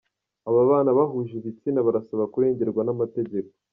Ababana bahuje ibitsina barasaba kurengerwa n’amategeko